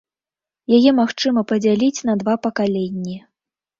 Яе магчыма падзяліць на два пакаленні.